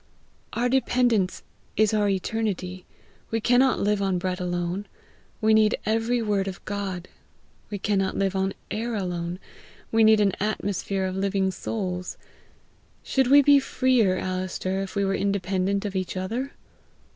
Our dependence is our eternity. We cannot live on bread alone; we need every word of God. We cannot live on air alone; we need an atmosphere of living souls. Should we be freer, Alister, if we were independent of each other?